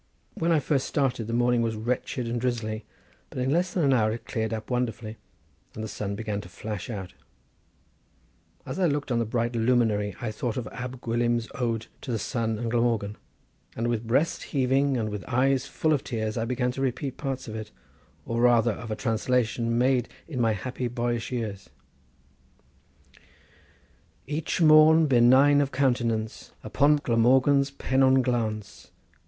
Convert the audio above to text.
When I first started the morning was wretched and drizzly, but in less than an hour it cleared up wonderfully, and the sun began to flash out. As I looked on the bright luminary I thought of Ab Gwilym's ode to the sun and Glamorgan, and with breast heaving and with eyes full of tears, I began to repeat parts of it, or rather of a translation made in my happy boyish years: "Each morn, benign of countenance, Upon Glamorgan's pennon glance!